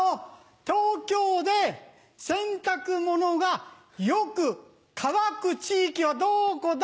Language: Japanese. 東京で洗濯物がよく乾く地域はどこだ？